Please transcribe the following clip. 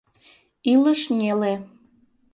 Илыш неле.